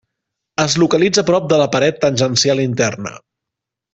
Es localitza prop de la paret tangencial interna.